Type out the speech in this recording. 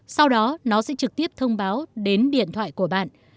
sau đó nó sẽ trực tiếp thông báo đến điện thoại của bạn